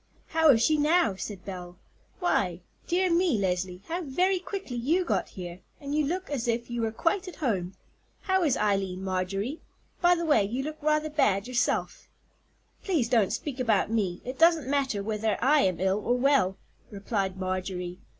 "How is she now?" said Belle. "Why, dear me, Leslie, how very quickly you got here, and you look as if you were quite at home. How is Eileen, Marjorie? By the way, you look rather bad yourself." "Please don't speak about me; it doesn't matter whether I am ill or well," replied Marjorie.